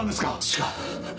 違う。